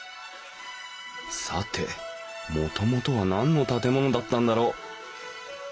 さてもともとは何の建物だったんだろう。